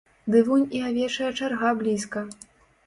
Ды вунь і авечая чарга блізка.